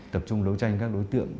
tập trung đấu tranh các đối tượng